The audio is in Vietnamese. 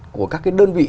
của các cái đơn vị